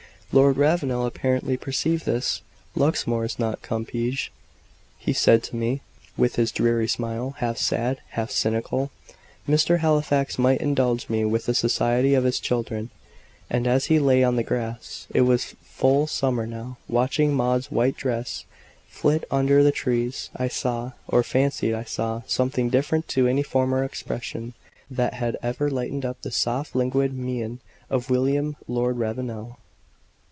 Lord Ravenel apparently perceived this. "Luxmore is not Compiegne," he said to me, with his dreary smile, half sad, half cynical. "Mr. Halifax might indulge me with the society of his children." And as he lay on the grass it was full summer now watching Maud's white dress flit about under the trees, I saw, or fancied I saw, something different to any former expression that had ever lighted up the soft languid mien of William Lord Ravenel.